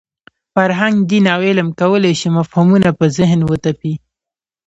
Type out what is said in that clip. فرهنګ، دین او علم کولای شي مفهومونه په ذهن وتپي.